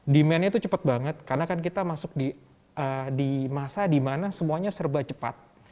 demandnya itu cepat banget karena kan kita masuk di masa dimana semuanya serba cepat